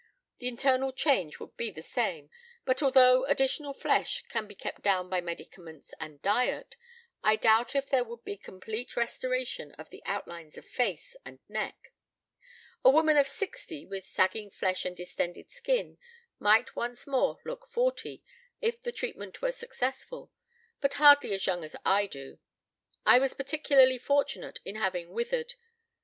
The internal change would be the same, but, although additional flesh can be kept down by medicaments and diet, I doubt if there would be a complete restoration of the outlines of face and neck. A woman of sixty, with sagging flesh and distended skin, might once more look forty, if the treatment were successful, but hardly as young as I do. I was particularly fortunate in having withered.